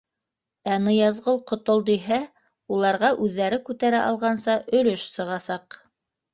Ә Ныязғол ҡотолдиһә, уларға үҙҙәре күтәрә алғанса өлөш сығасаҡ.